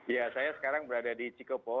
ya saya sekarang berada di cikopo